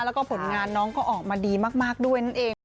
แล้วก็ผลงานน้องก็ออกมาดีมากด้วยนั่นเอง